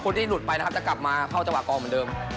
ที่หลุดไปนะครับจะกลับมาเข้าจังหวะกองเหมือนเดิม